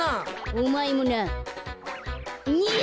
おまえもな。や！